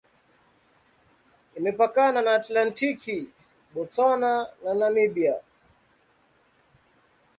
Imepakana na Atlantiki, Botswana na Namibia.